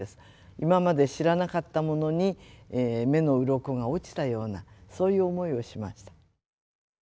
今まで知らなかったものに目のうろこが落ちたようなそういう思いをしました。